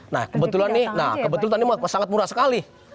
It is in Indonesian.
nah kebetulan ini sangat murah sekali